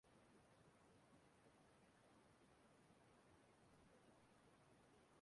Ọgbakọ ahụ bụ nke weere ọnọdụ n'Asaba